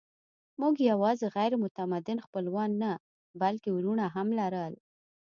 موږ یواځې غیر متمدن خپلوان نه، بلکې وروڼه هم لرل.